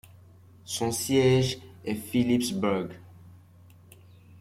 Son siège est Philipsburg.